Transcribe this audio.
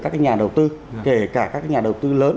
các nhà đầu tư kể cả các nhà đầu tư lớn